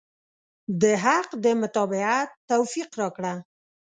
د حق د متابعت توفيق راکړه.